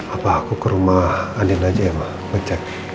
apa aku ke rumah andi aja ya mau cek